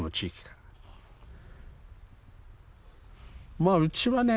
まあうちはね